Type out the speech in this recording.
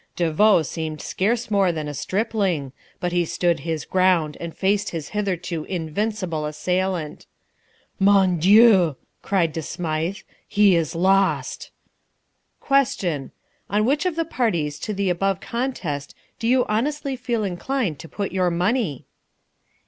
De Vaux seemed scarce more than a stripling, but he stood his ground and faced his hitherto invincible assailant. 'Mong Dieu,' cried De Smythe, 'he is lost!'" Question. On which of the parties to the above contest do you honestly feel inclined to put your money?